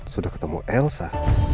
sudah ketemu elsa